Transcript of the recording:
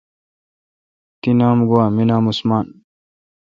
تی نام گوا می نام عثمان